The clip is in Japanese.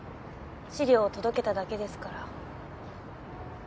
資料を届けただけですから。